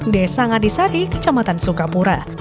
desa ngadisari kecamatan sukapura